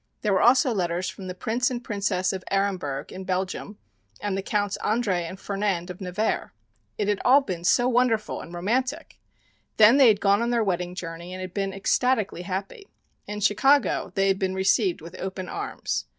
There were also letters from the Prince and Princess of Aremberg (in Belgium) and the Counts André and Fernand of Nevers. It had all been so wonderful and romantic! Then they had gone on their wedding journey and had been ecstatically happy. In Chicago, they had been received with open arms.